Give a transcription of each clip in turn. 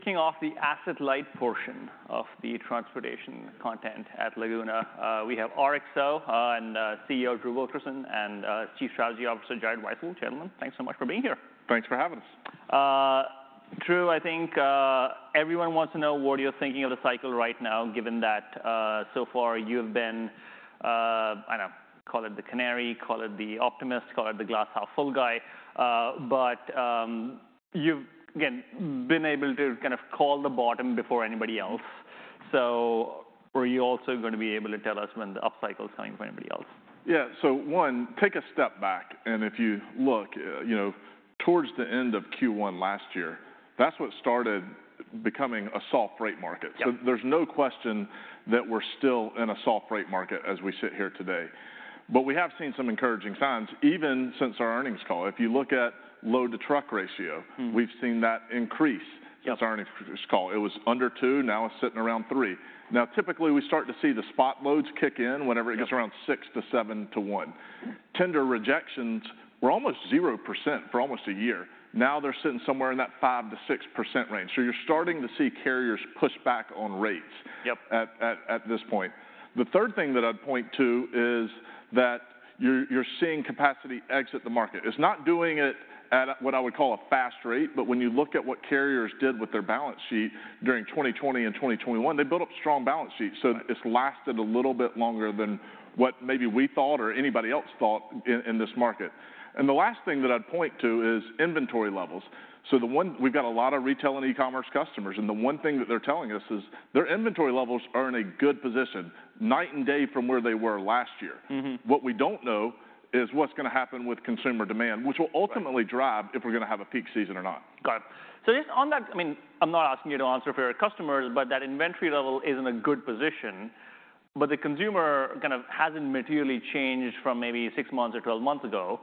Kicking off the asset-light portion of the transportation content at Laguna. We have RXO and CEO Drew Wilkerson, and Chief Strategy Officer Jared Weisfeld. Gentlemen, thanks so much for being here! Thanks for having us. Drew, I think everyone wants to know what you're thinking of the cycle right now, given that so far you've been, I don't know, call it the canary, call it the optimist, call it the glass half full guy. But you've again been able to kind of call the bottom before anybody else. So are you also gonna be able to tell us when the up cycle's coming for anybody else? Yeah. So one, take a step back, and if you look, you know, towards the end of Q1 last year, that's what started becoming a soft freight market. Yeah. There's no question that we're still in a soft freight market as we sit here today. But we have seen some encouraging signs, even since our earnings call. If you look at load-to-truck ratio- Mm. We've seen that increase. Yep Since our earnings call. It was under two, now it's sitting around three. Now, typically, we start to see the spot loads kick in whenever it- Yep Gets around 6-to-7 to 1 Tender rejections were almost 0% for almost a year. Now, they're sitting somewhere in that 5%-6% range. So you're starting to see carriers push back on rates- Yep At this point. The third thing that I'd point to is that you're seeing capacity exit the market. It's not doing it at a what I would call a fast rate, but when you look at what carriers did with their balance sheet during 2020 and 2021, they built up strong balance sheets. Right. It's lasted a little bit longer than what maybe we thought or anybody else thought in this market. The last thing that I'd point to is inventory levels. We've got a lot of retail and e-commerce customers, and the one thing that they're telling us is their inventory levels are in a good position, night and day from where they were last year. Mm-hmm. What we don't know is what's gonna happen with consumer demand, which will ultimately- Right Drive if we're gonna have a peak season or not. Got it. So just on that, I mean, I'm not asking you to answer for your customers, but that inventory level is in a good position, but the consumer kind of hasn't materially changed from maybe 6 months or 12 months ago.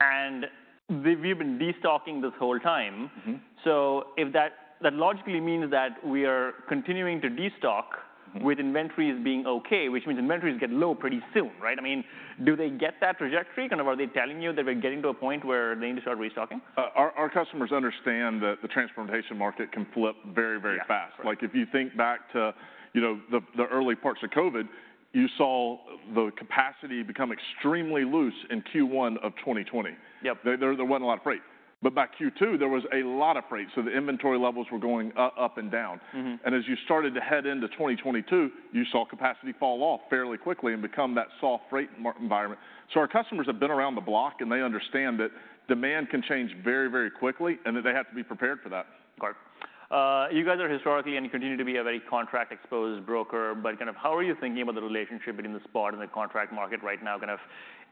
And we've been destocking this whole time. Mm-hmm. If that logically means that we are continuing to destock- Mm With inventories being okay, which means inventories get low pretty soon, right? I mean, do they get that trajectory? Kind of, are they telling you that we're getting to a point where they need to start restocking? Our customers understand that the transportation market can flip very, very fast. Yeah. Like, if you think back to, you know, the, the early parts of COVID, you saw the capacity become extremely loose in Q1 of 2020. Yep. There wasn't a lot of freight. But by Q2, there was a lot of freight, so the inventory levels were going up and down. Mm-hmm. As you started to head into 2022, you saw capacity fall off fairly quickly and become that soft freight market environment. So our customers have been around the block, and they understand that demand can change very, very quickly, and that they have to be prepared for that. Got it. You guys are historically, and you continue to be, a very contract-exposed broker, but kind of how are you thinking about the relationship between the spot and the contract market right now? Kind of,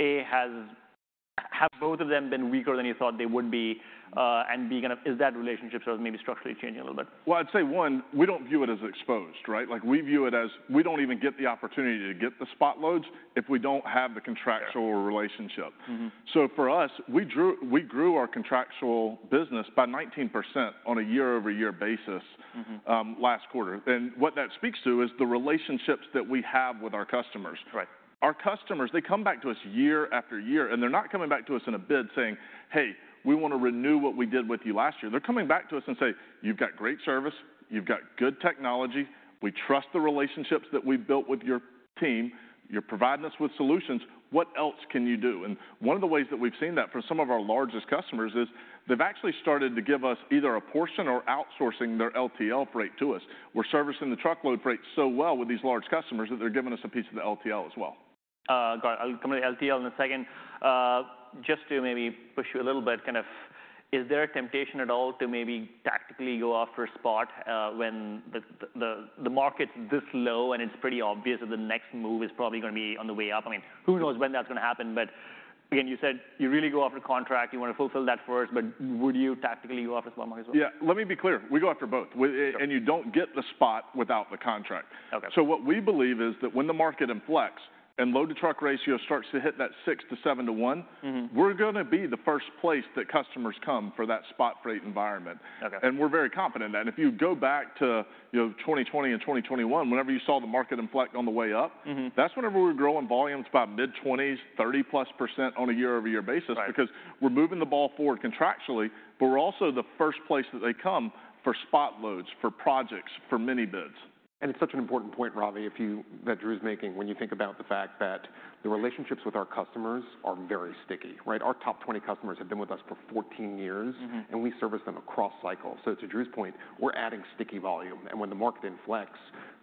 A, have both of them been weaker than you thought they would be? And, B, kind of, is that relationship sort of maybe structurally changing a little bit? Well, I'd say, one, we don't view it as exposed, right? Like, we view it as, we don't even get the opportunity to get the spot loads if we don't have the contractual- Yeah relationship. Mm-hmm. So for us, we grew our contractual business by 19% on a year-over-year basis- Mm-hmm Last quarter. What that speaks to is the relationships that we have with our customers. Right. Our customers, they come back to us year after year, and they're not coming back to us in a bid saying, "Hey, we want to renew what we did with you last year." They're coming back to us and say, "You've got great service. You've got good technology. We trust the relationships that we've built with your team. You're providing us with solutions. What else can you do?" And one of the ways that we've seen that for some of our largest customers is, they've actually started to give us either a portion or outsourcing their LTL freight to us. We're servicing the truckload freight so well with these large customers, that they're giving us a piece of the LTL as well. Got it. I'll come to the LTL in a second. Just to maybe push you a little bit, kind of, is there a temptation at all to maybe tactically go after a spot, when the market's this low, and it's pretty obvious that the next move is probably gonna be on the way up? I mean, who knows when that's gonna happen, but again, you said you really go after a contract, you want to fulfill that first, but would you tactically go after spot model as well? Yeah, let me be clear. We go after both. We- Sure And you don't get the spot without the contract. Okay. What we believe is that when the market inflects and load-to-truck ratio starts to hit that 6:1 to 7:1- Mm-hmm We're gonna be the first place that customers come for that spot freight environment. Okay. We're very confident in that. If you go back to, you know, 2020 and 2021, whenever you saw the market inflection on the way up- Mm-hmm That's whenever we were growing volumes by mid-20s, 30%+ on a year-over-year basis- Right Because we're moving the ball forward contractually, but we're also the first place that they come for spot loads, for projects, for mini bids. It's such an important point, Ravi, that Drew's making, when you think about the fact that the relationships with our customers are very sticky, right? Our top 20 customers have been with us for 14 years- Mm-hmm And we service them across cycles. So to Drew's point, we're adding sticky volume, and when the market inflects,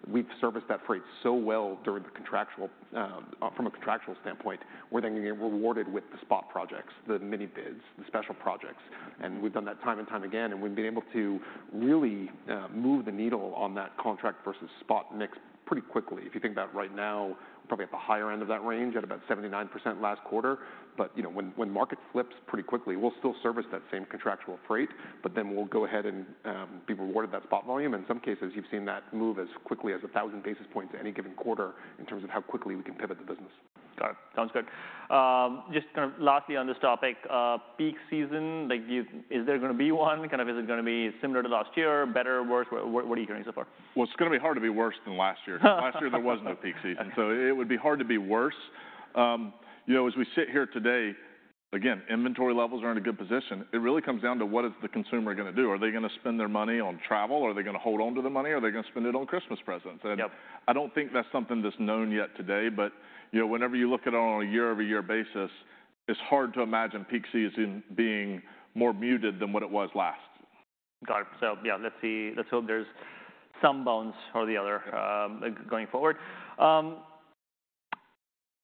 we've serviced that freight so well during the contractual, from a contractual standpoint, we're then getting rewarded with the spot projects, the mini bids, the special projects, and we've done that time and time again, and we've been able to really move the needle on that contract versus spot mix pretty quickly. If you think about right now, probably at the higher end of that range, at about 79% last quarter, but you know, when market flips pretty quickly, we'll still service that same contractual freight, but then we'll go ahead and be rewarded that spot volume. In some cases, you've seen that move as quickly as 1,000 basis points at any given quarter in terms of how quickly we can pivot the business. Got it. Sounds good. Just kind of lastly on this topic, peak season, like you... Is there gonna be one? Kind of, is it gonna be similar to last year, better or worse? What, what, what are you hearing so far? Well, it's gonna be hard to be worse than last year. Last year, there was no peak season, so it would be hard to be worse.... You know, as we sit here today, again, inventory levels are in a good position. It really comes down to, what is the consumer going to do? Are they going to spend their money on travel, or are they going to hold onto the money, or are they going to spend it on Christmas presents? Yep. I don't think that's something that's known yet today, but, you know, whenever you look at it on a year-over-year basis, it's hard to imagine peak season being more muted than what it was last. Got it. So, yeah, let's see. Let's hope there's some bounce or the other going forward.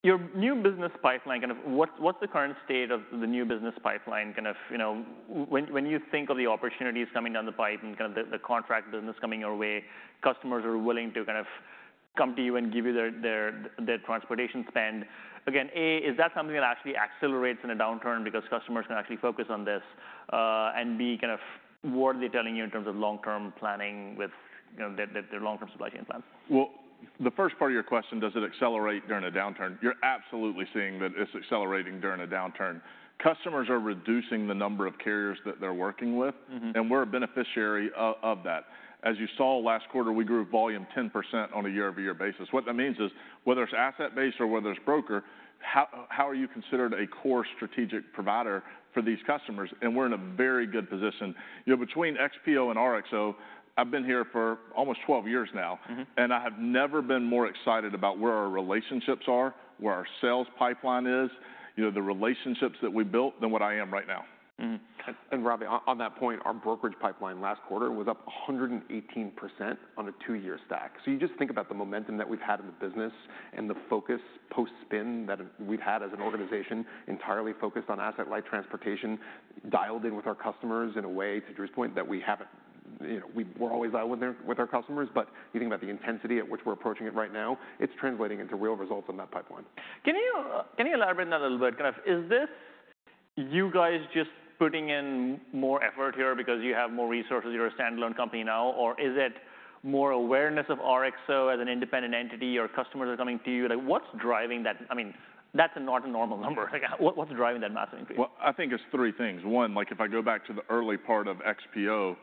Your new business pipeline, kind of what, what's the current state of the new business pipeline? Kind of, you know, when, when you think of the opportunities coming down the pipe and kind of the, the contract business coming your way, customers are willing to kind of come to you and give you their, their, their transportation spend. Again, A, is that something that actually accelerates in a downturn because customers can actually focus on this? And B, kind of, what are they telling you in terms of long-term planning with, you know, their, their, their long-term supply chain plans? Well, the first part of your question, does it accelerate during a downturn? You're absolutely seeing that it's accelerating during a downturn. Customers are reducing the number of carriers that they're working with. Mm-hmm And we're a beneficiary of that. As you saw last quarter, we grew volume 10% on a year-over-year basis. What that means is, whether it's asset-based or whether it's broker, how, how are you considered a core strategic provider for these customers? And we're in a very good position. You know, between XPO and RXO, I've been here for almost 12 years now. Mm-hmm. I have never been more excited about where our relationships are, where our sales pipeline is, you know, the relationships that we built, than what I am right now. Mm-hmm. Ravi, on that point, our brokerage pipeline last quarter was up 118% on a two-year stack. So you just think about the momentum that we've had in the business and the focus post-spin that we've had as an organization, entirely focused on asset-light transportation, dialed in with our customers in a way, to Drew's point, that we haven't... You know, we were always dialed with their, with our customers, but you think about the intensity at which we're approaching it right now, it's translating into real results on that pipeline. Can you, can you elaborate on that a little bit? Kind of, is this you guys just putting in more effort here because you have more resources, you're a standalone company now? Or is it more awareness of RXO as an independent entity, or customers are coming to you? Like, what's driving that? I mean, that's not a normal number. What, what's driving that massive increase? Well, I think it's three things. One, like, if I go back to the early part of XPO,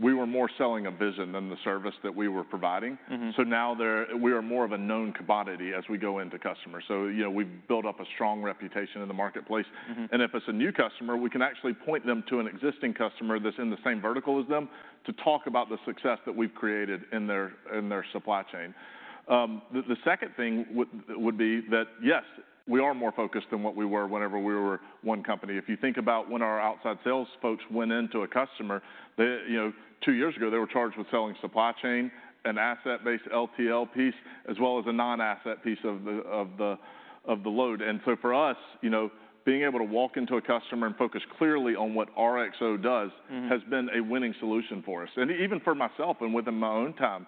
we were more selling a vision than the service that we were providing. Mm-hmm. So now we are more of a known commodity as we go into customers. So, you know, we've built up a strong reputation in the marketplace. Mm-hmm. If it's a new customer, we can actually point them to an existing customer that's in the same vertical as them, to talk about the success that we've created in their supply chain. The second thing would be that, yes, we are more focused than what we were whenever we were one company. If you think about when our outside sales folks went into a customer, they, you know, two years ago, they were charged with selling supply chain, an asset-based LTL piece, as well as a non-asset piece of the load. And so for us, you know, being able to walk into a customer and focus clearly on what RXO does. Mm-hmm Has been a winning solution for us. And even for myself and within my own time,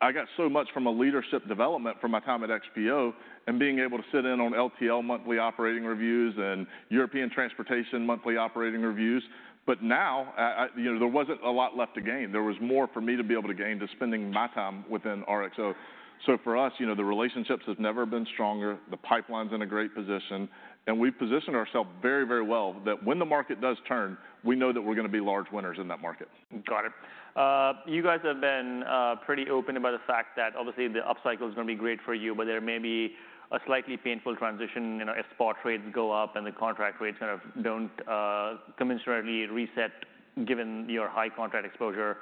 I got so much from a leadership development from my time at XPO, and being able to sit in on LTL monthly operating reviews and European transportation monthly operating reviews. But now, I, you know, there wasn't a lot left to gain. There was more for me to be able to gain to spending my time within RXO. So for us, you know, the relationships have never been stronger, the pipeline's in a great position, and we've positioned ourselves very, very well that when the market does turn, we know that we're going to be large winners in that market. Got it. You guys have been pretty open about the fact that obviously the upcycle is going to be great for you, but there may be a slightly painful transition, you know, as spot rates go up and the contract rates kind of don't commensurately reset, given your high contract exposure.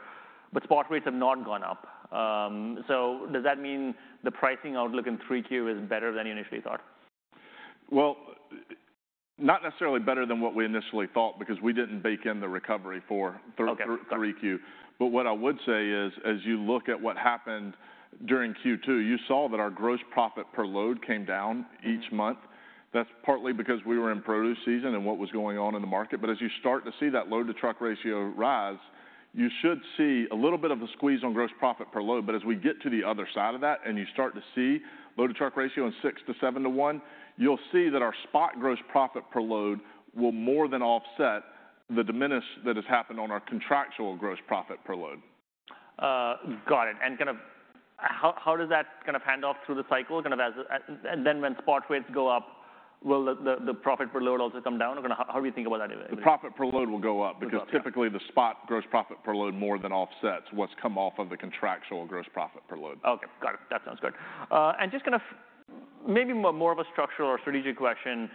But spot rates have not gone up. So does that mean the pricing outlook in 3Q is better than you initially thought? Well, not necessarily better than what we initially thought because we didn't bake in the recovery for. Okay. Got it. Q3. But what I would say is, as you look at what happened during Q2, you saw that our gross profit per load came down each month. That's partly because we were in produce season and what was going on in the market. But as you start to see that load-to-truck ratio rise, you should see a little bit of a squeeze on gross profit per load. But as we get to the other side of that, and you start to see load-to-truck ratio in 6 to 7 to 1, you'll see that our spot gross profit per load will more than offset the diminish that has happened on our contractual gross profit per load. Got it. And kind of, how does that kind of hand off through the cycle? And then when spot rates go up, will the profit per load also come down? Or how do you think about that anyway? The profit per load will go up. Will go up. Because typically the spot gross profit per load more than offsets what's come off of the contractual gross profit per load. Okay, got it. That sounds good. And just kind of maybe more of a structural or strategic question: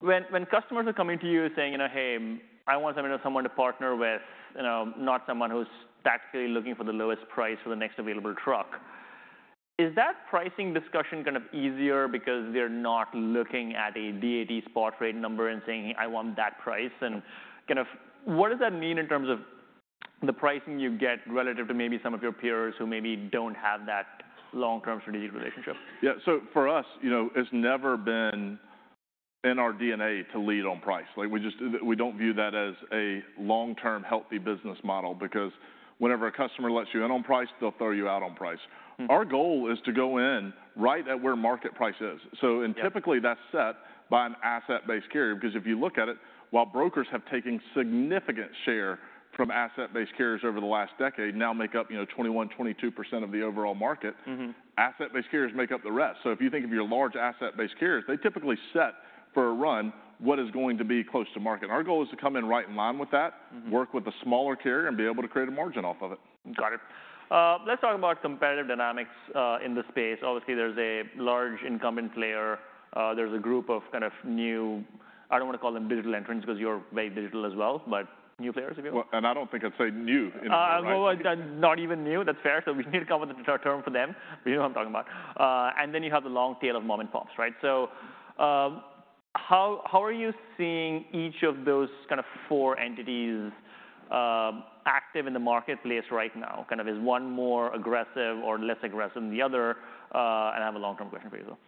When customers are coming to you saying, "You know, hey, I want someone to partner with, you know, not someone who's tactically looking for the lowest price for the next available truck," is that pricing discussion kind of easier because they're not looking at a DAT spot rate number and saying, "I want that price?" And kind of what does that mean in terms of the pricing you get relative to maybe some of your peers who maybe don't have that long-term strategic relationship? Yeah. So for us, you know, it's never been in our DNA to lead on price. Like, we just, we don't view that as a long-term, healthy business model because whenever a customer lets you in on price, they'll throw you out on price. Mm. Our goal is to go in right at where market price is. Yep. Typically, that's set by an asset-based carrier, because if you look at it, while brokers have taken significant share from asset-based carriers over the last decade, now make up, you know, 21%-22% of the overall market- Mm-hmm Asset-based carriers make up the rest. So if you think of your large asset-based carriers, they typically set for a run, what is going to be close to market? Our goal is to come in right in line with that. Mm-hmm. Work with the smaller carrier, and be able to create a margin off of it. Got it. Let's talk about competitive dynamics in the space. Obviously, there's a large incumbent player. There's a group of kind of new... I don't want to call them digital entrants 'cause you're very digital as well, but new players, I guess. Well, and I don't think I'd say new, anymore, right? Well, then not even new. That's fair. So we need to come up with a better term for them, but you know what I'm talking about. And then you have the long tail of mom-and-pops, right? So, how are you seeing each of those kind of four entities active in the marketplace right now? Kind of, is one more aggressive or less aggressive than the other? And I have a long-term question for you, though.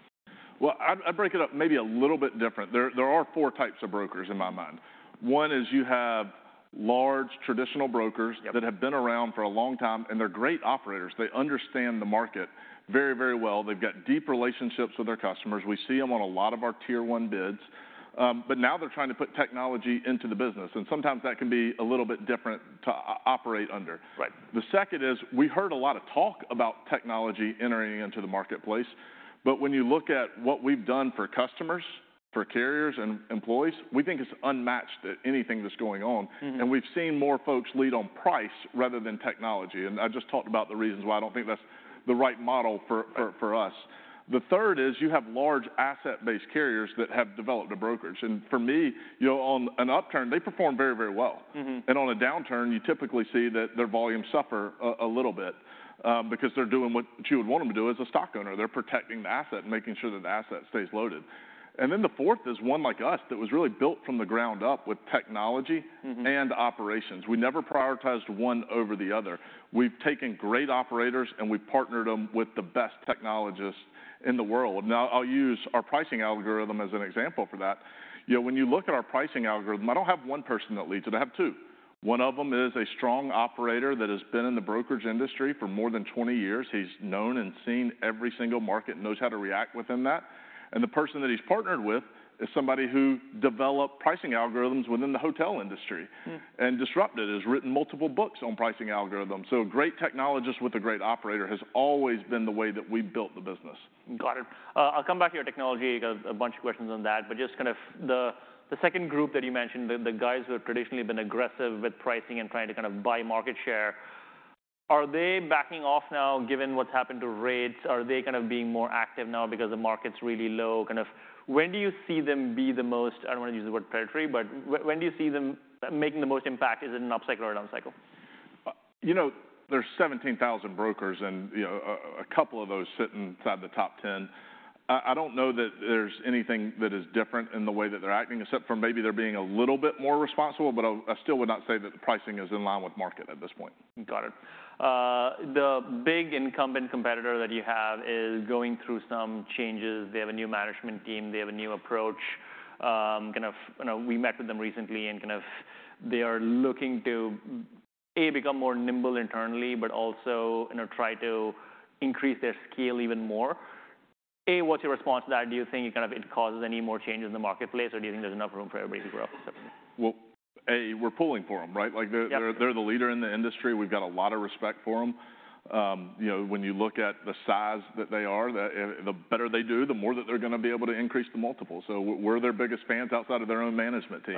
Well, I break it up maybe a little bit different. There are four types of brokers in my mind. One is you have large, traditional brokers. Yep That have been around for a long time, and they're great operators. They understand the market very, very well. They've got deep relationships with their customers. We see them on a lot of our tier one bids, but now they're trying to put technology into the business, and sometimes that can be a little bit different to operate under. Right. The second is, we heard a lot of talk about technology entering into the marketplace, but when you look at what we've done for customers, for carriers and employees, we think it's unmatched to anything that's going on. Mm-hmm. We've seen more folks lead on price rather than technology, and I just talked about the reasons why I don't think that's the right model for us. The third is, you have large asset-based carriers that have developed a brokerage. For me, you know, on an upturn, they perform very, very well. Mm-hmm. On a downturn, you typically see that their volumes suffer a little bit, because they're doing what you would want them to do as a stock owner. They're protecting the asset and making sure that the asset stays loaded. And then the fourth is one like us, that was really built from the ground up with technology. Mm-hmm And operations. We never prioritized one over the other. We've taken great operators, and we've partnered them with the best technologists in the world. Now, I'll use our pricing algorithm as an example for that. You know, when you look at our pricing algorithm, I don't have one person that leads it, I have two. One of them is a strong operator that has been in the brokerage industry for more than 20 years. He's known and seen every single market and knows how to react within that. And the person that he's partnered with is somebody who developed pricing algorithms within the hotel industry. Hmm And disrupted it. Has written multiple books on pricing algorithms. So a great technologist with a great operator, has always been the way that we've built the business. Got it. I'll come back to your technology, got a bunch of questions on that, but just kind of the second group that you mentioned, the guys who have traditionally been aggressive with pricing and trying to kind of buy market share, are they backing off now, given what's happened to rates? Are they kind of being more active now because the market's really low? Kind of, when do you see them be the most, I don't want to use the word predatory, but when do you see them making the most impact? Is it an up cycle or a down cycle? you know, there's 17,000 brokers and, you know, a couple of those sit inside the top 10. I don't know that there's anything that is different in the way that they're acting, except for maybe they're being a little bit more responsible, but I still would not say that the pricing is in line with market at this point. Got it. The big incumbent competitor that you have is going through some changes. They have a new management team. They have a new approach. Kind of, you know, we met with them recently and kind of, they are looking to become more nimble internally, but also, you know, try to increase their scale even more. What's your response to that? Do you think it kind of causes any more changes in the marketplace, or do you think there's enough room for everybody to grow? Well, A, we're pulling for them, right? Yep. Like, they're the leader in the industry. We've got a lot of respect for them. You know, when you look at the size that they are, the better they do, the more that they're going to be able to increase the multiple. So we're their biggest fans outside of their own management team.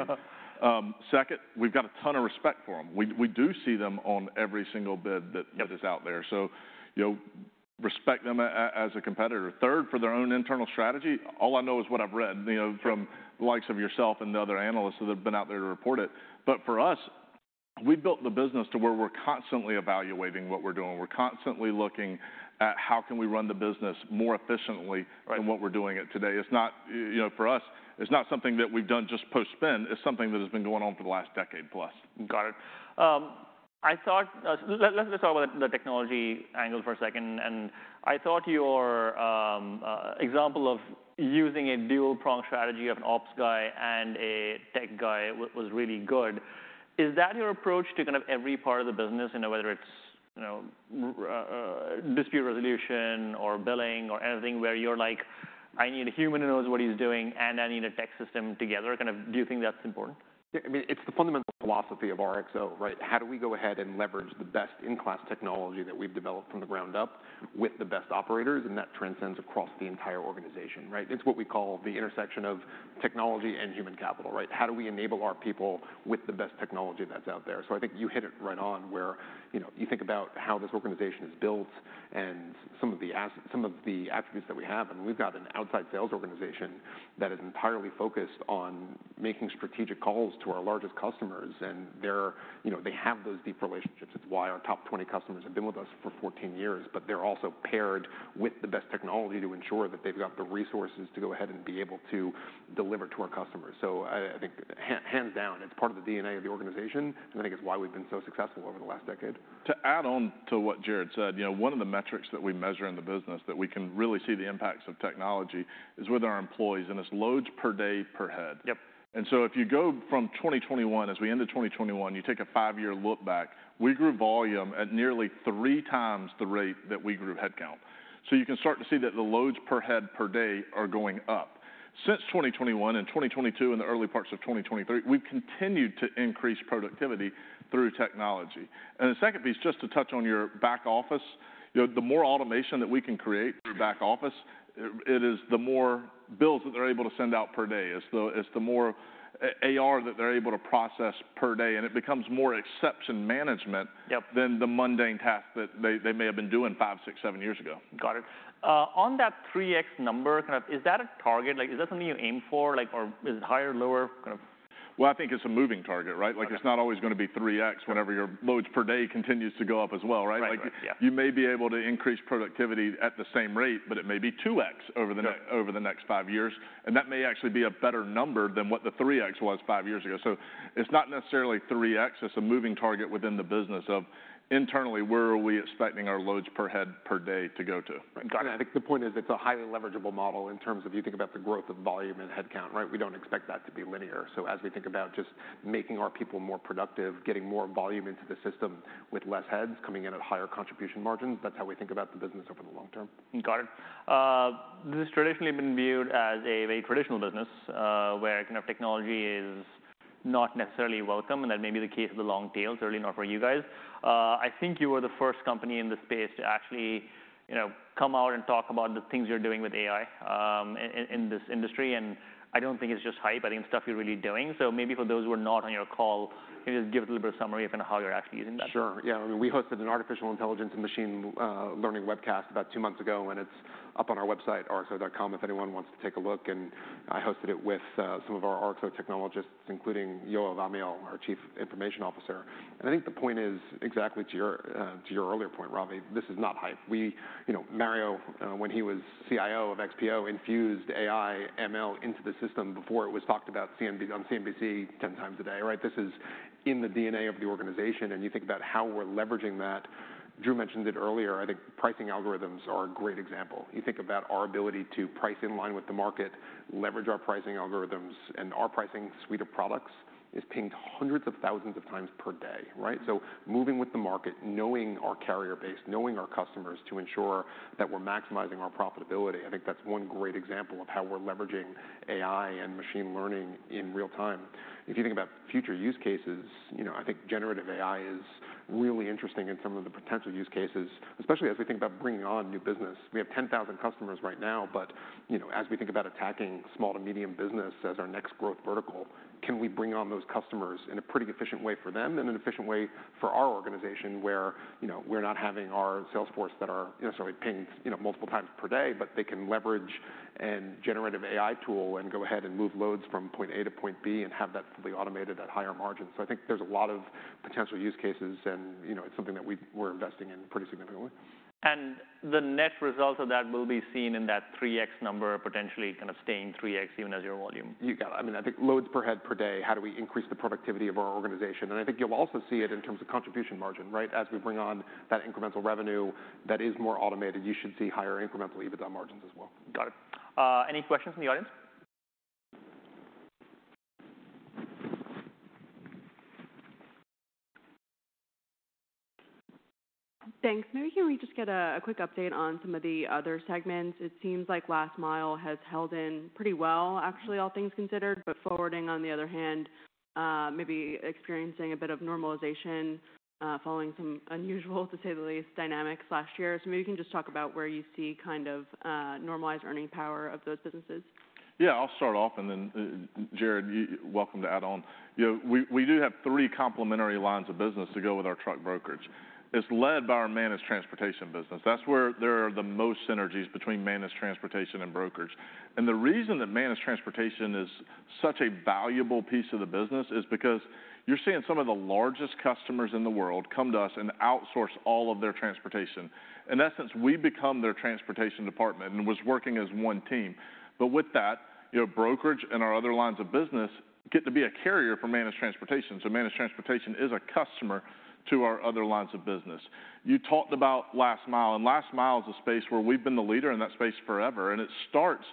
Second, we've got a ton of respect for them. We do see them on every single bid that. Yep Is out there. So, you know, respect them as a competitor. Third, for their own internal strategy, all I know is what I've read, you know- Sure From the likes of yourself and the other analysts that have been out there to report it. But for us, we've built the business to where we're constantly evaluating what we're doing. We're constantly looking at how can we run the business more efficiently. Right Than what we're doing it today. It's not... You know, for us, it's not something that we've done just post-spin; it's something that has been going on for the last decade plus. Got it. I thought, let's just talk about the technology angle for a second, and I thought your example of using a dual-prong strategy of an ops guy and a tech guy was really good. Is that your approach to kind of every part of the business? You know, whether it's, you know, dispute resolution or billing or anything, where you're like: I need a human who knows what he's doing, and I need a tech system together. Kind of, do you think that's important? Yeah, I mean, it's the fundamental philosophy of RXO, right? How do we go ahead and leverage the best-in-class technology that we've developed from the ground up with the best operators, and that transcends across the entire organization, right? It's what we call the intersection of technology and human capital, right? How do we enable our people with the best technology that's out there? So I think you hit it right on where, you know, you think about how this organization is built and some of the attributes that we have, and we've got an outside sales organization that is entirely focused on making strategic calls to our largest customers. And they're, you know, they have those deep relationships. It's why our top 20 customers have been with us for 14 years. But they're also paired with the best technology to ensure that they've got the resources to go ahead and be able to deliver to our customers. So I think, hands down, it's part of the DNA of the organization, and I think it's why we've been so successful over the last decade. To add on to what Jared said, you know, one of the metrics that we measure in the business that we can really see the impacts of technology is with our employees, and it's loads per day, per head. Yep. And so if you go from 2021, as we end the 2021, you take a 5-year look back, we grew volume at nearly 3 times the rate that we grew headcount. You can start to see that the loads per head, per day are going up. Since 2021 and 2022, and the early parts of 2023, we've continued to increase productivity through technology. The second piece, just to touch on your back office, you know, the more automation that we can create through back office, it is the more bills that they're able to send out per day. It's the more AR that they're able to process per day, and it becomes more exception management. Yep Than the mundane tasks that they may have been doing 5, 6, 7 years ago. Got it. On that 3x number, kind of, is that a target? Like, is that something you aim for, like, or is it higher, lower, kind of? Well, I think it's a moving target, right? Like, it's not always going to be 3x whenever your loads per day continues to go up as well, right? Right. Yeah. You may be able to increase productivity at the same rate, but it may be 2X over the- Yeah Over the next five years, and that may actually be a better number than what the 3x was five years ago. So it's not necessarily 3x, it's a moving target within the business of internally, where are we expecting our loads per head per day to go to? Got it. I think the point is, it's a highly leverageable model in terms of you think about the growth of volume and headcount, right? We don't expect that to be linear. So as we think about just making our people more productive, getting more volume into the system with less heads coming in at higher contribution margins, that's how we think about the business over the long term. Got it. This has traditionally been viewed as a very traditional business, where kind of technology is not necessarily welcome, and that may be the case of the long tail. Certainly not for you guys. I think you were the first company in the space to actually, you know, come out and talk about the things you're doing with AI, in this industry, and I don't think it's just hype. I think it's stuff you're really doing. So maybe for those who are not on your call, can you just give a little bit of summary of kind of how you're actually using that? Sure. Yeah. I mean, we hosted an artificial intelligence and machine learning webcast about two months ago, and it's up on our website, rxo.com, if anyone wants to take a look, and I hosted it with some of our RXO technologists, including Yoav Amiel, our Chief Information Officer. I think the point is exactly to your earlier point, Ravi. This is not hype. We, you know, Mario, when he was CIO of XPO, infused AI, ML into the system before it was talked about on CNBC 10 times a day, right? This is in the DNA of the organization, and you think about how we're leveraging that. Drew mentioned it earlier. I think pricing algorithms are a great example. You think about our ability to price in line with the market, leverage our pricing algorithms, and our pricing suite of products is pinged hundreds of thousands of times per day, right? So moving with the market, knowing our carrier base, knowing our customers to ensure that we're maximizing our profitability, I think that's one great example of how we're leveraging AI and machine learning in real time. If you think about future use cases, you know, I think generative AI is really interesting in some of the potential use cases, especially as we think about bringing on new business. We have 10,000 customers right now, but, you know, as we think about attacking small to medium business as our next growth vertical, can we bring on those customers in a pretty efficient way for them and an efficient way for our organization, where, you know, we're not having our sales force that are necessarily pinged, you know, multiple times per day, but they can leverage a generative AI tool and go ahead and move loads from point A to point B and have that fully automated at higher margins? So I think there's a lot of potential use cases, and, you know, it's something that we're investing in pretty significantly. And the net result of that will be seen in that 3x number, potentially kind of staying 3x, even as your volume. You got it. I mean, I think loads per head per day, how do we increase the productivity of our organization? And I think you'll also see it in terms of contribution margin, right? As we bring on that incremental revenue that is more automated, you should see higher incremental EBITDA margins as well. Got it. Any questions from the audience? Thanks. Maybe can we just get a quick update on some of the other segments? It seems like last mile has held in pretty well, actually, all things considered, but forwarding, on the other hand, maybe experiencing a bit of normalization following some unusual, to say the least, dynamics last year. So maybe you can just talk about where you see kind of normalized earning power of those businesses. Yeah, I'll start off, and then, Jared, you're welcome to add on. You know, we do have three complementary lines of business to go with our truck brokerage. It's led by our managed transportation business. That's where there are the most synergies between managed transportation and brokerage. And the reason that managed transportation is such a valuable piece of the business is because you're seeing some of the largest customers in the world come to us and outsource all of their transportation. In essence, we become their transportation department and was working as one team. But with that, your brokerage and our other lines of business get to be a carrier for managed transportation. So managed transportation is a customer to our other lines of business. You talked about last mile, and last mile is a space where we've been the leader in that space forever, and it starts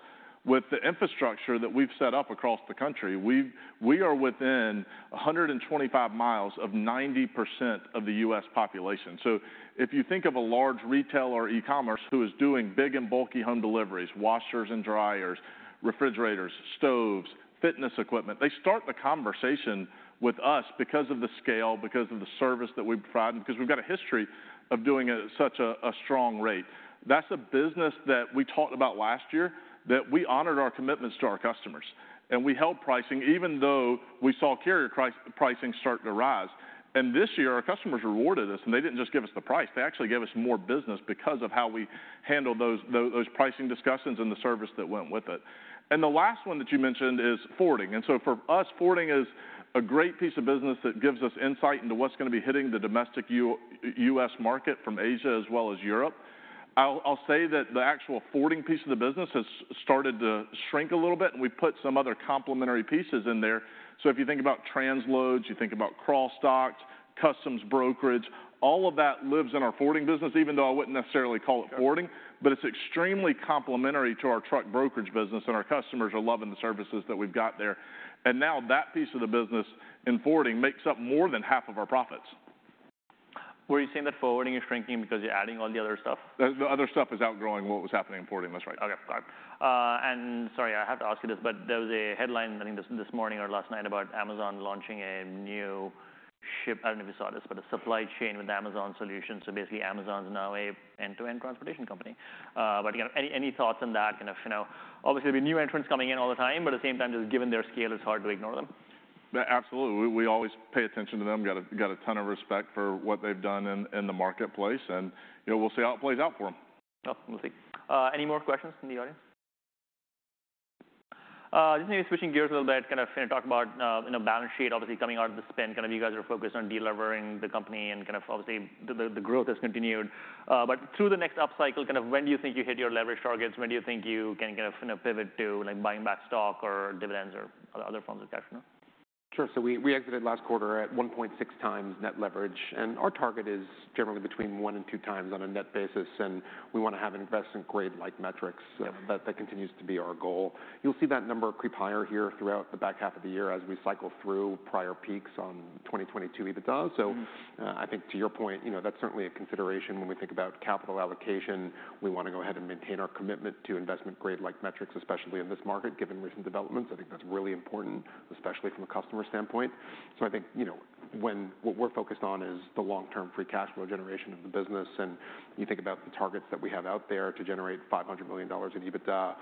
with the infrastructure that we've set up across the country. We are within 125 miles of 90% of the U.S. population. So if you think of a large retailer or e-commerce who is doing big and bulky home deliveries, washers and dryers, refrigerators, stoves, fitness equipment, they start the conversation with us because of the scale, because of the service that we provide, and because we've got a history of doing it at such a strong rate. That's a business that we talked about last year, that we honored our commitments to our customers, and we held pricing even though we saw carrier pricing starting to rise. This year, our customers rewarded us, and they didn't just give us the price, they actually gave us more business because of how we handled those those pricing discussions and the service that went with it. The last one that you mentioned is forwarding. For us, forwarding is a great piece of business that gives us insight into what's going to be hitting the domestic US market from Asia as well as Europe. I'll say that the actual forwarding piece of the business has started to shrink a little bit, and we put some other complementary pieces in there. If you think about transloads, you think about cross-dock, customs brokerage, all of that lives in our forwarding business, even though I wouldn't necessarily call it forwarding. Yeah. It's extremely complementary to our truck brokerage business, and our customers are loving the services that we've got there. Now that piece of the business in forwarding makes up more than half of our profits. Were you saying that forwarding is shrinking because you're adding all the other stuff? The other stuff is outgrowing what was happening in forwarding. That's right. Okay. Got it. And sorry, I have to ask you this, but there was a headline, I think, this morning or last night about Amazon launching a new ship. I don't know if you saw this, but a supply chain with Amazon solutions. So basically, Amazon is now an end-to-end transportation company. But, you know, any, any thoughts on that? Kind of, you know, obviously, the new entrants coming in all the time, but at the same time, just given their scale, it's hard to ignore them. Absolutely. We always pay attention to them. Got a ton of respect for what they've done in the marketplace, and, you know, we'll see how it plays out for them. Oh, we'll see. Any more questions from the audience? Just maybe switching gears a little bit, kind of, gonna talk about, you know, balance sheet obviously coming out of the spin. Kind of, you guys are focused on de-leveraging the company and kind of obviously, the growth has continued. But through the next upcycle, kind of, when do you think you hit your leverage targets? When do you think you can kind of, you know, pivot to, like, buying back stock or dividends or other forms of cash, you know? Sure. So we exited last quarter at 1.6x net leverage, and our target is generally between 1x and 2x on a net basis, and we want to have investment-grade-like metrics. Yep. That continues to be our goal. You'll see that number creep higher here throughout the back half of the year as we cycle through prior peaks on 2022 EBITDA. Mm-hmm. So, I think to your point, you know, that's certainly a consideration when we think about capital allocation. We want to go ahead and maintain our commitment to investment-grade like metrics, especially in this market, given recent developments. I think that's really important, especially from a customer standpoint. So I think, you know, when what we're focused on is the long-term free cash flow generation of the business, and you think about the targets that we have out there to generate $500 million in EBITDA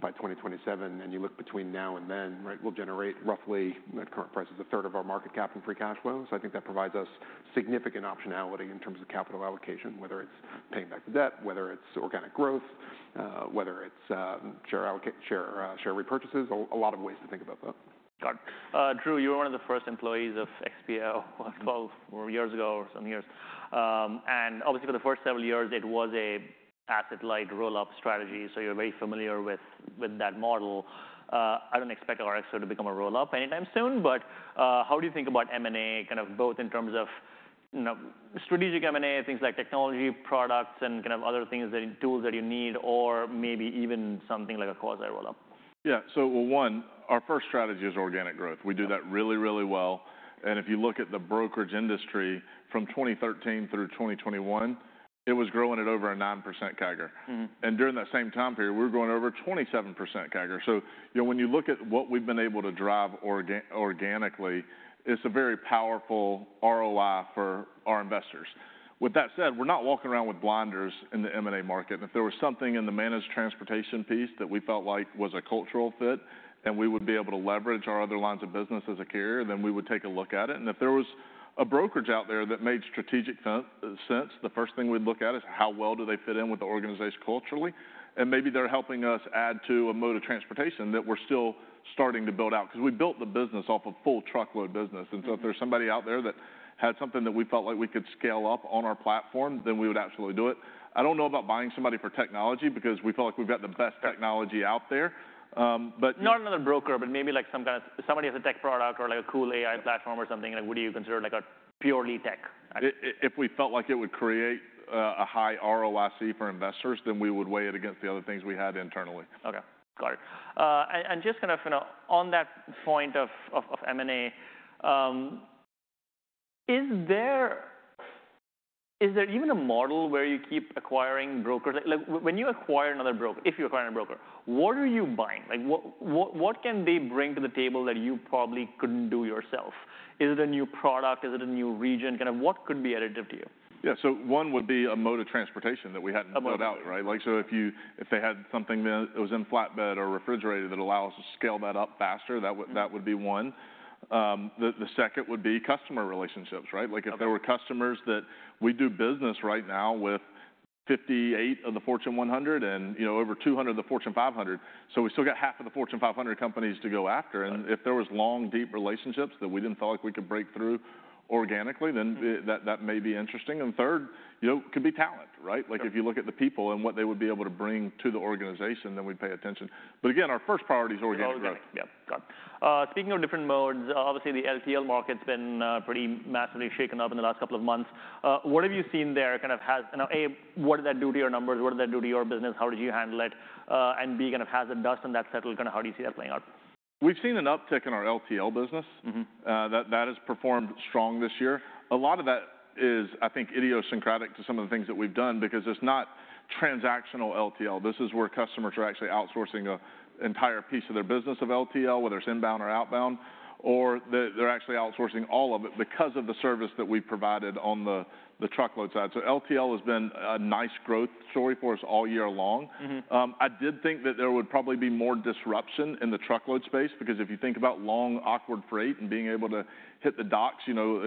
by 2027, and you look between now and then, right? We'll generate roughly, at current prices, a third of our market cap in free cash flow. So I think that provides us significant optionality in terms of capital allocation, whether it's paying back the debt, whether it's organic growth, whether it's share repurchases, a lot of ways to think about that. Got it. Drew, you were one of the first employees of XPO, 12 or years ago or some years. And obviously, for the first several years it was an asset-light roll-up strategy, so you're very familiar with, with that model. I don't expect RXO to become a roll-up anytime soon, but, how do you think about M&A, kind of both in terms of, you know, strategic M&A, things like technology, products, and kind of other things that... tools that you need, or maybe even something like a quasi roll-up? Yeah. So, well, one, our first strategy is organic growth. Okay. We do that really, really well, and if you look at the brokerage industry from 2013 through 2021, it was growing at over a 9% CAGR. Mm-hmm. And during that same time period, we were growing over 27% CAGR. So, you know, when you look at what we've been able to drive organically, it's a very powerful ROI for our investors. With that said, we're not walking around with blinders in the M&A market, and if there was something in the managed transportation piece that we felt like was a cultural fit, and we would be able to leverage our other lines of business as a carrier, then we would take a look at it. And if there was a brokerage out there that made strategic sense, the first thing we'd look at is, how well do they fit in with the organization culturally? And maybe they're helping us add to a mode of transportation that we're still starting to build out. 'Cause we built the business off of full truckload business. Mm-hmm. If there's somebody out there that had something that we felt like we could scale up on our platform, then we would absolutely do it. I don't know about buying somebody for technology because we feel like we've got the best. Yeah Technology out there. But- Not another broker, but maybe, like, some kind of, somebody has a tech product or, like, a cool AI platform or something, like, would you consider, like, a purely tech? If we felt like it would create a high ROIC for investors, then we would weigh it against the other things we had internally. Okay. Got it. And just kind of, you know, on that point of M&A, is there even a model where you keep acquiring brokers? Like, when you acquire another broker, if you acquire a broker, what are you buying? Like, what can they bring to the table that you probably couldn't do yourself? Is it a new product? Is it a new region? Kind of what could be additive to you? Yeah, so one would be a mode of transportation that we hadn't- A mode Built out, right? Like, so if you, if they had something that it was in flatbed or refrigerated that allow us to scale that up faster. Mm That would be one. The second would be customer relationships, right? Okay. Like, if there were customers that we do business right now with 58 of the Fortune 100 and, you know, over 200 of the Fortune 500, so we still got half of the Fortune 500 companies to go after. Right. And if there was long, deep relationships that we didn't feel like we could break through organically, then that may be interesting. And third, you know, could be talent, right? Yep. Like, if you look at the people and what they would be able to bring to the organization, then we'd pay attention. But again, our first priority is organic growth. Organic. Yep, got it. Speaking of different modes, obviously, the LTL market's been pretty massively shaken up in the last couple of months. What have you seen there, kind of, you know, A, what does that do to your numbers? What does that do to your business? How did you handle it? And B, kind of, has the dust on that settled, kind of, how do you see that playing out? We've seen an uptick in our LTL business. Mm-hmm. That has performed strong this year. A lot of that is, I think, idiosyncratic to some of the things that we've done because it's not transactional LTL. This is where customers are actually outsourcing an entire piece of their business of LTL, whether it's inbound or outbound, or they're actually outsourcing all of it because of the service that we provided on the truckload side. So LTL has been a nice growth story for us all year long. Mm-hmm. I did think that there would probably be more disruption in the truckload space because if you think about long, awkward freight and being able to hit the docks, you know,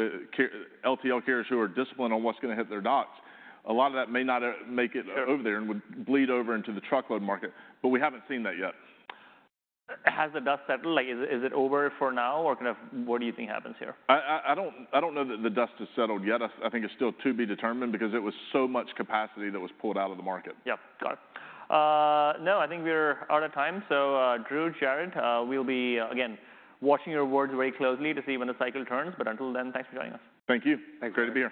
LTL carriers who are disciplined on what's going to hit their docks, a lot of that may not make it over there. Sure... and would bleed over into the truckload market, but we haven't seen that yet. Has the dust settled? Like, is it, is it over for now, or kind of what do you think happens here? I don't know that the dust has settled yet. I think it's still to be determined because it was so much capacity that was pulled out of the market. Yep, got it. Now, I think we're out of time, so, Drew, Jared, we'll be again, watching your boards very closely to see when the cycle turns, but until then, thanks for joining us. Thank you. Thanks. Great to be here.